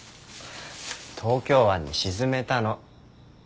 東京湾に沈めたの。